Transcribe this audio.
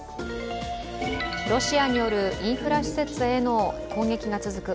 ロシアによるインフラ施設への攻撃が続く